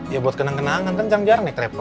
ya buat kenang kenangan kan jangan biar nih krepl